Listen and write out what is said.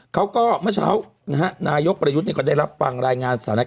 เมื่อเช้านายกประยุทธ์ก็ได้รับฟังรายงานสถานการณ์